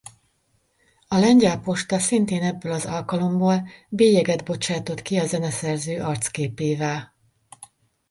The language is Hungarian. A Lengyel Posta szintén ebből az alkalomból bélyeget bocsátott ki a zeneszerző arcképével.